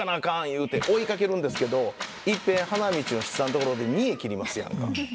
いうて追いかけるんですけどいっぺん花道の七三の所で見得切りますやんか。